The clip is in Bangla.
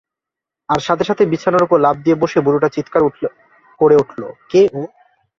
আর সাথে সাথে বিছানার উপর লাফ দিয়ে বসে বুড়োটা চিৎকার করে উঠল কে ও?